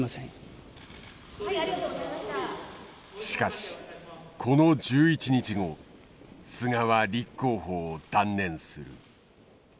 しかしこの１１日後菅は立候補を断念する。